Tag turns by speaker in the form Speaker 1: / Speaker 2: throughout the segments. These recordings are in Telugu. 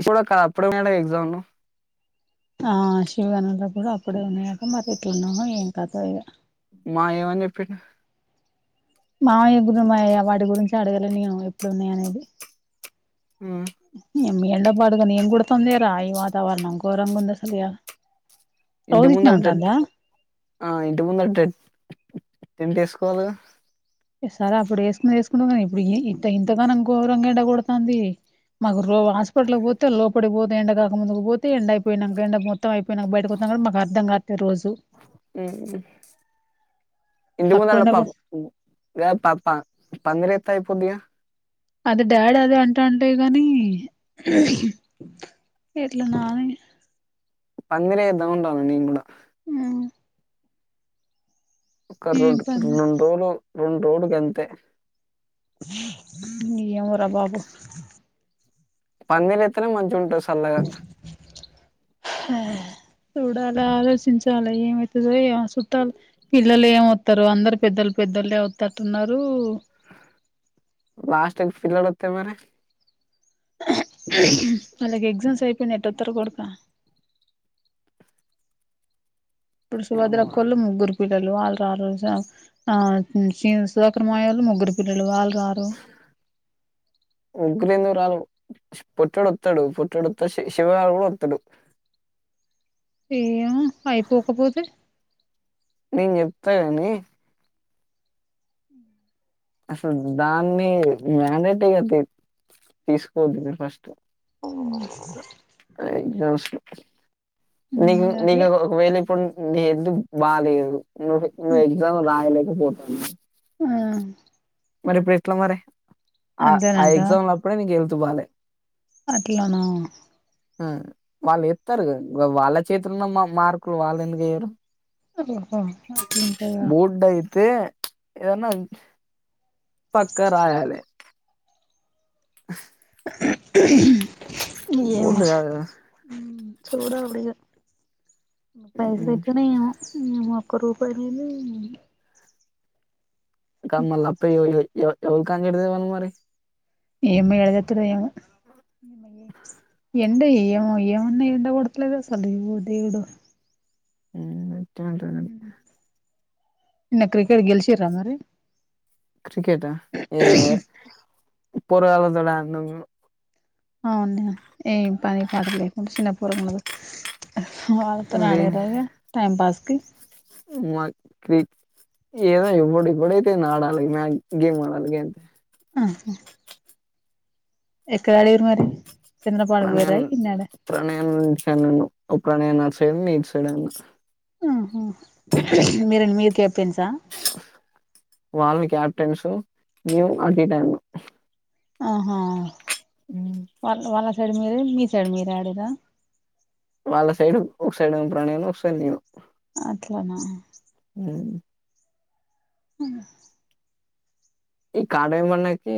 Speaker 1: ఇప్పుడు క అప్పుడు మేడం ఎగ్జామ్ ను
Speaker 2: ఆ శివ గనలో కూడా అప్పుడే ఉన్నాయట మరి ఎట్లనో ఏం కాదో ఇగ
Speaker 1: మాయ్య ఏమని చెప్పిండు
Speaker 2: మామయ్య గురు మాయ వాటి గురించి అడగ లేను నేను ఎప్పుడు ఉన్నాయ అనేది
Speaker 1: మ్
Speaker 2: ఈ ఎండ పాడుగాను ఏం కొడుతాందేరా ఈ వాతావరణం ఘోరంగుంద్ అసల్ ఇయాల
Speaker 1: ఇంటి ముందటెత్ ఆ ఇంటి ముందటె టెంట్ ఏస్కోవాలిగా
Speaker 2: సరే అప్పుడు వేసుకునేది వేసుకున్నాం గానీ ఏ ఇప్పుడు ఇంత ఇంతగానం గోరంగ ఎండ గొడతాంది మాకు రో హాస్పిటల్ పోతే లోపడికి పోతే ఎండ కాక ముందు పోతే ఎండ అయిపోయినాక ఎండ మొత్తం అయిపోయినాక బయటకు మాకు అర్థం గాట్లే రోజు
Speaker 1: మ్ ఇంటి
Speaker 2: తక్కువ
Speaker 1: ముందాల
Speaker 2: ఎండ
Speaker 1: ప
Speaker 2: కొడు
Speaker 1: పప్ప పందిరేత్తే అయిపోద్దిగా
Speaker 2: అది డాడ్ అదే అంటంటయి గనీ ఎట్లనా అని
Speaker 1: పందిరేద్దాం అంటన నేన్ గుడా
Speaker 2: మ్
Speaker 1: ఒక రెండ్
Speaker 2: పని
Speaker 1: రొండు రోలు రొండు రోలు గంతే
Speaker 2: ఏమోరా బాబు
Speaker 1: పందిరేత్తెనే మంచిగుంటద్ సల్లగ.
Speaker 2: ఉ చూడాల ఆలోచించాలే ఏమైతదో ఏమో సుట్టాల్ పిల్లలేమోత్తరో అందర్ పెద్ద ల్ పెద్దళ్లు వత్తట్టున్నరు.
Speaker 1: హాస్టల్ ఫిల్లల్ అత్తే మరి
Speaker 2: వాళ్ళక్ ఎగ్జామ్స్ అయిపోయి తొత్తరు గుడ్క ఇప్పుడు
Speaker 1: ఏమో
Speaker 2: సుభద్రక్కోళ్ళు ముగ్గుర్ పిల్లలు ఆల్ రారు సు ఆ సీను సుధాకర్ మామయ్యోలు ముగ్గురు పిల్లలు ఆల్
Speaker 1: ముగ్గురు ఎందుకు రాలు. పొట్టోడ్ అత్తడు పొట్టోడ్ అత్తడు శి శివగాడు గుడా అత్తడు.
Speaker 2: ఏమో అయిపోకపోతే
Speaker 1: నేన్ చెప్త గని
Speaker 2: మ్
Speaker 1: అసల్ దాన్ని మ్యానేటిగతి తీస్కోద్దు మీరు ఫస్ట్ ఎగ్జామ్స్ నీకు
Speaker 2: అదే
Speaker 1: నీకు ఒకవేళ ఇప్పుడు నీ హెల్తు బాలేదు. నువే నువ్ ఎగ్జామ్ రాయలేకపోతాన్న
Speaker 2: ఆ
Speaker 1: మరిప్పుడ్ ఎట్ల మరి ఆ ఆ
Speaker 2: అంతేనంటవా
Speaker 1: ఎగ్జామ్లప్పుడే నీక్ హెల్త్ బాలే
Speaker 2: అట్లనా
Speaker 1: మ్ వాళ్ ఏత్తరుగా వాళ్ళ చేతిలున్న మ మార్కు వెళ్ళేందుక్ ఏయరు.
Speaker 2: ఓహో అట్లుంటదా
Speaker 1: తే ఏదన్న పక్క రాయాలె.
Speaker 2: ఏమో
Speaker 1: బోర్డు కాదు కదా.
Speaker 2: చూడాలి ఇగ పైసల్
Speaker 1: ఉమ్,
Speaker 2: ఎట్లనో ఏమో ఒక్క రూపాయ్ లేదు.
Speaker 1: కన్ మల్ల అప్పు తెల ఇగ ఎవర్ ఎవర్కాన్నుడ్ తేవాల్ మరి
Speaker 2: ఏమో ఏడ తెత్తరో ఏమో ఎండ ఏమ ఏమన్నా ఎండ కొడ్తలేద్ అసల్ ఓ దేవుడో
Speaker 1: మ్ అట్టే ఉంటదం
Speaker 2: నిన్న క్రికెట్ గెలిచిన్రా మరి
Speaker 1: క్రికెటా ఏ పోరగాన్లతోట్ ఆడినం.
Speaker 2: అవున ఏం పని పాట లేకుండా చిన్న పోరగాన్ల వాళ్ళతోని ఆడింరా ఇగ టైంపాస్కి
Speaker 1: మాక్ క్రీక్ ఏదో ఇవ్వడు ఇవ్వడు అయితెంది ఆడాలి మ్య గేమ్ ఆడాలి గ
Speaker 2: అ హ ఎక్కడ ఆడార్రి మరి చంద్రపాడుకు పోయిర్రా
Speaker 1: ప్రణయన్
Speaker 2: ఈడ్నాడ
Speaker 1: ప్రణయన్ ఫ్రెండ్ ను ఒక నేనొసైడ్ నీసైడ్
Speaker 2: మ్ హ్ మిరెన్ మీరు కెప్టెన్సా
Speaker 1: వాల్ని కెప్టెన్స్ మేము అటు ఇటు ఆడినం.
Speaker 2: ఆహా వాళ్ళు వాళ్ల మరి మీరే మీసైడ్ మీరే ఆడిర్రా
Speaker 1: వాళ్ళ సైడ్ ఒక సైడ్ ప్రణయ్ను ఒకసైడ్ నేను
Speaker 2: అట్లనా
Speaker 1: ఉమ్
Speaker 2: ఇంగ
Speaker 1: ఈ కార్డె మనకి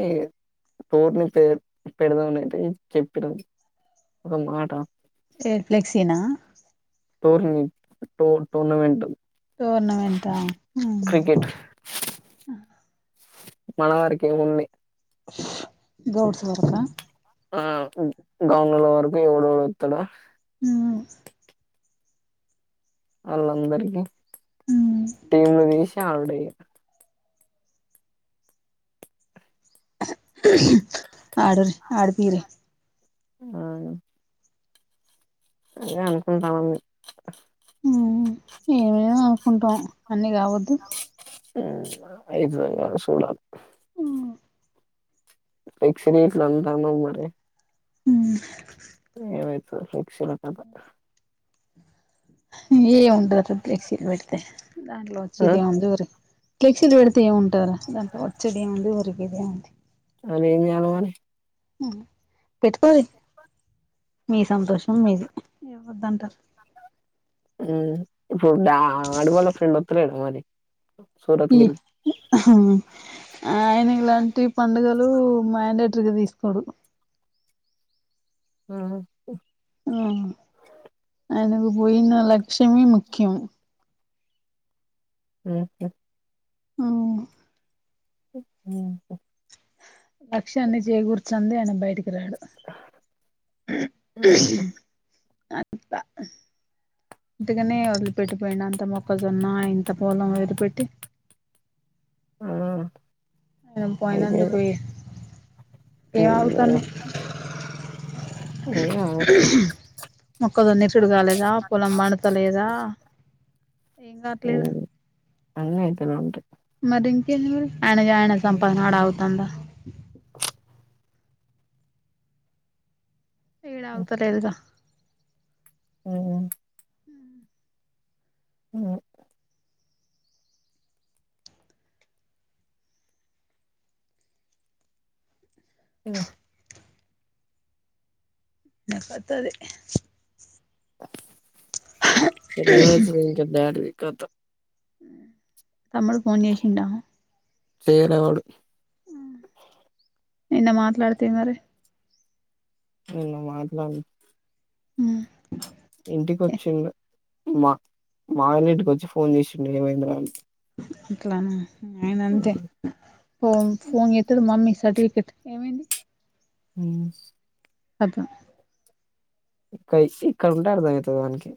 Speaker 1: టోర్ని పె పెడదాం అని అయితే చెప్పిన ఒక మాట
Speaker 2: ఎ సేల్ఫ్లెక్సీనా
Speaker 1: టోర్నీ టో టోర్నమెంట్
Speaker 2: టోర్నమెంటా ఉమ్
Speaker 1: క్రికెట్ మనవర్కే ఓన్లీ
Speaker 2: గౌడ్స్ వర్కా
Speaker 1: ఆ గౌండ్లోల్ల వరకు ఎవడొడోత్తడు
Speaker 2: ఉమ్
Speaker 1: అళ్ళందరికి
Speaker 2: ఉమ్
Speaker 1: టీమ్ లు దిసి ఆడుడే ఇగ
Speaker 2: ఆడురి ఆడ్పియుర్రి
Speaker 1: అ అదె అనుకుంటాన మి
Speaker 2: ఉమ్ ఏవేవో అనుకుంటాం అన్ని కావద్దు
Speaker 1: ఊమ్ అయిదో గదో సూడా పిక్సీ డెట్లంటానవ్ మరి
Speaker 2: ఉమ్మ్
Speaker 1: ఏమైతదో ఫ్లెక్సీ ల కథ
Speaker 2: ఏముంటదసల్ ప్లెక్సీల్ పెడితే దాంట్లో
Speaker 1: ఆ
Speaker 2: వచ్చదేముంది ఒరి ఫ్లెక్సీలు పెడితే ఏముంటదిర దాంట్లో వచ్చేదేముంది ఒరిగేదేముంది
Speaker 1: అనే ఎం చేయాలా మని
Speaker 2: అ పెట్కోరి మీ సంతోషం మీది ఏవద్దంటారు
Speaker 1: ఉహ్ ఇప్పుడు డా అడువాళ్ళ ఫ్రెండొత్తలేడా మరి సూరత్
Speaker 2: ఈ
Speaker 1: గిరి
Speaker 2: ఆయన ఇలాంటి పండుగలు మ్యాండేట్రిగా తీసుకోడు
Speaker 1: ఆ
Speaker 2: ఆ ఆయనకు పోయిన లక్ష్యమే ముఖ్యం
Speaker 1: ఊహు
Speaker 2: ఆ
Speaker 1: ఉహ
Speaker 2: లక్ష్యాన్ని చేకూర్చంది ఆయన బయటికి రాడు
Speaker 1: ఊహ్
Speaker 2: అత్ప ఉట్టిగనే వదిలిపెట్టిపోయిండా అంత మొక్కజొన్న ఇంత పొలం వదిలిపెట్టి
Speaker 1: ఆ
Speaker 2: మనం పోయినందుకు ఈ
Speaker 1: ఏంలేద్ ఏం లే
Speaker 2: మొక్కదున్నిచ్చుడు కాలేదా పొలం పండుతలేదా ఏం కాట్లేదు
Speaker 1: అన్ని అయితనే ఉంటాయి
Speaker 2: మరి ఇంకేంది అయినా గ సంపాదనా
Speaker 1: ఉమ్,
Speaker 2: ఆడ ఆగుతందా ఏడ
Speaker 1: ఉమ్,
Speaker 2: ఆగుతాలేదు గా
Speaker 1: ఆ ఉ [inaudible]
Speaker 2: ఇ పెద్దది
Speaker 1: రివర్స్ నుంచి బ్యాటరీ కతం
Speaker 2: తమ్ముడు ఫోన్ చేశిండా
Speaker 1: చేయనవడు
Speaker 2: నిన్న మాట్లాడతె మరి
Speaker 1: నిన్న మాట్లాడు
Speaker 2: హ
Speaker 1: ఇంటికొచ్చిండు మా మావయ్యల ఇంటికొచ్చి ఫోన్ చేసిండు ఏమైంది రా అని
Speaker 2: అట్లనా ఆయన
Speaker 1: ఉమ్,
Speaker 2: అంతే ఫోన్ ఫోన్ చేతడు మమ్మీ సర్టిఫి ఏమైంది
Speaker 1: ఉ
Speaker 2: అట్ల
Speaker 1: కసి ఇక్కడ ఉంటే అర్ధం అయితది వానికి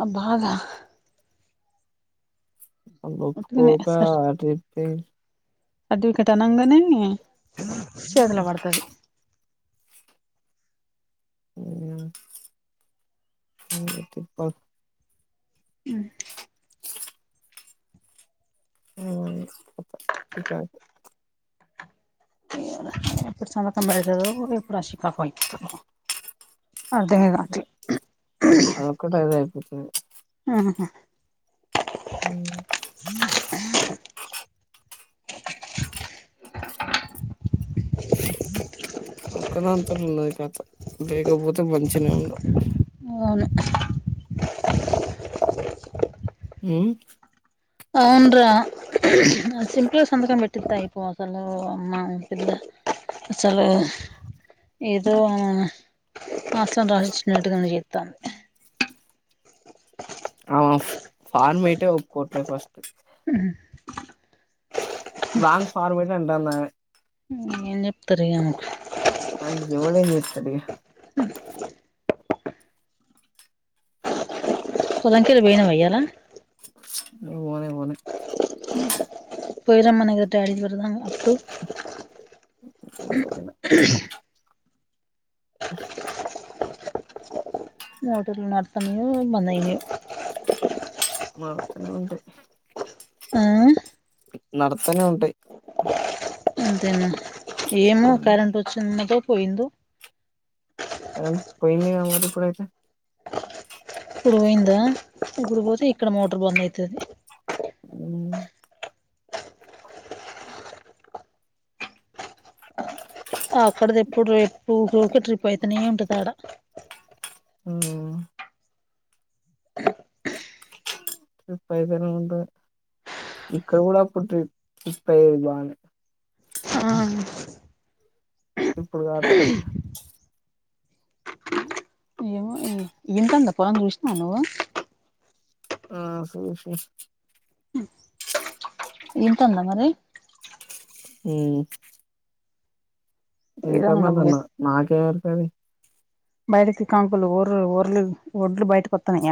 Speaker 2: ఆ బాగా
Speaker 1: వాల్
Speaker 2: ఉట్టిగనే
Speaker 1: ఒప్పుకోక ఆ ట్రిపే
Speaker 2: అది కిటు ఆనంగానే షేదుల పడతది
Speaker 1: ఊమ్
Speaker 2: [inaudible]
Speaker 1: ఉ ఇంక
Speaker 2: ఇప్పుడు చాలా తొందర్గ అయితడో వార్షిక పాయింట్ అర్ధమే కావట్లే
Speaker 1: అదొక్కటి అదే అయిపోతుంది
Speaker 2: ఉహ్
Speaker 1: ఉ
Speaker 2: [inaudible]
Speaker 1: పక్కనోళ్లతో ఉంది కథ లేకపోతె మంచినె ఉంట
Speaker 2: అవును
Speaker 1: ఉమ్
Speaker 2: అవునురా విపిస్ సంతకం పెట్టిత్తే అయిపో అసలు మా ఆర్ అసలు ఏదో ఆస్తిని రాసిఇచ్చినట్టుగా ను చేత్తంది.
Speaker 1: ఆవును ఫాన్ మీటే ఒప్పుకోట్లే ఫస్ట్
Speaker 2: హ్మ్
Speaker 1: లాంగ్ ఫార్మేట్ అంటాన్న
Speaker 2: హ్మ్ ఎం చెప్తూరెమో
Speaker 1: నాకు ఎవడేం చేస్తాడు ఇగ
Speaker 2: పోలంకిల్ వొయినవా ఇయాల
Speaker 1: నువ్ వోలె వోలె
Speaker 2: పోయిరామన్నా కదా డాడీ ని చూడడాని కి అప్పుడు
Speaker 1: ఎటు పోయినా
Speaker 2: [inaudible] మోటర్లు నడుతున్నాయో బంద్ అయినాయో
Speaker 1: మా తోనే ఉంటాయ్
Speaker 2: ఆ
Speaker 1: నడస్తానే ఉంటాయ్
Speaker 2: అంతేనా ఏమో కరెంట్ ఓచి ఉన్నదో పోయిందో
Speaker 1: పోయిందిగ మరి ఇప్పుడైతే
Speaker 2: ఇప్పుడు పోయిందా ఇప్పుడు పోతే ఇక్కడ మోటర్ బంద్ అయితది.
Speaker 1: ఉహ్
Speaker 2: అక్కడది ఇప్పుడు రేపు ఉకూకే ట్రిప్ అయితనే ఉంటది ఆడ
Speaker 1: ఉమ్మ్ ఫుడ్ పాయిసన్ అయిందా ఇక్కడ కూడ ఒక ట్రిప్ షిఫ్ట్ అయింది బానే
Speaker 2: ఆ
Speaker 1: ఇప్పుడు కాట్లే
Speaker 2: ఎంత ఉందో పొలం చూసినవ నువ్వు
Speaker 1: ఆ సుషిన
Speaker 2: ఎంతన మరి
Speaker 1: ఉ మ్ ఇంక
Speaker 2: ఏదోనన్న
Speaker 1: మల్లన్న నాకేం ఎరుకాది
Speaker 2: బయటకు కంకులు ఒర్లి ఒర్లి వడ్లు బయటకు ఒత్తన్నయ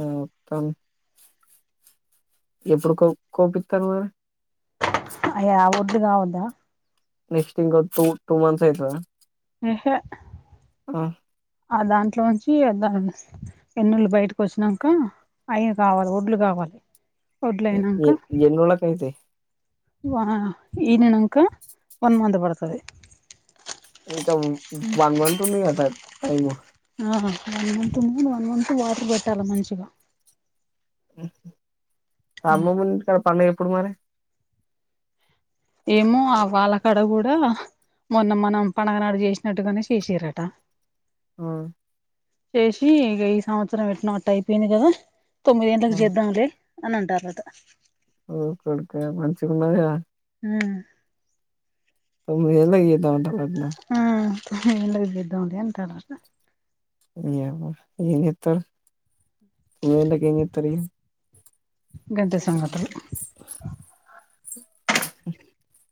Speaker 1: ఆ ఒత్తాన్ ఎప్పుడు కొ కోపిత్తరు మరి
Speaker 2: అయ్యా ఆ వడ్లు కావొద్ధ
Speaker 1: నెక్స్ట్ ఇంక టూ టూ మంత్స్ అయితదా
Speaker 2: ఏహే
Speaker 1: అ
Speaker 2: ఆ దాంట్లో నుంచి ఎన్నుళ్ళు బయటకు వచ్చినాక అయి కావాలి ఒడ్లు కావాలి ఒడ్లయినంక
Speaker 1: ఎ ఎన్ని రోజులకు అయితయి
Speaker 2: వ ఈ నినంక వన్ మంత్ పడ్తది
Speaker 1: సో ఇక వ వన్ మంత్ ఉందిగా టైము
Speaker 2: వన్ మంత్ ఉంది వన్ మంత్ వాటర్ పెట్టాలి మంచిగా
Speaker 1: అమ్మమొల్ల ఇంటికాడ పండుగ ఎప్పుడు మరి
Speaker 2: ఏమో వాళ్ళ కాడ కూడా మొన్న మనం పండగనాడు చేసినట్టుగానే చేసిరంట
Speaker 1: ఉమ్
Speaker 2: చేసి ఇగ ఈ సవంత్సరం ఎట్టనో అట్ట అయిపోయింది గదా తొమ్మిది ఏండ్లకి
Speaker 1: ఆ
Speaker 2: చేద్దాం లే అని అంటార్రట
Speaker 1: ఓరి కొడుకా మంచిగా ఉన్నది గదా
Speaker 2: ఊమ్
Speaker 1: తొమ్మిది ఏళ్ళకి చేద్దాం అంటాలు అంటన
Speaker 2: ఆ తొమ్మిది ఏండ్లకి చేద్దాం లే అంటారు అంట
Speaker 1: ఏమో ఎంచెత్తవ్ ఉదయ్ అన్న కి ఏం చేతారిగా
Speaker 2: గంతే సంగతులు
Speaker 1: బ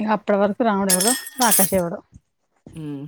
Speaker 2: ఇగ అప్పుడువరికి రాముడు ఎవడో రాకష్ ఎవడో
Speaker 1: ఉమ్